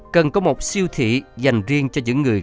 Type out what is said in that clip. cần có một siêu thị dành riêng cho những người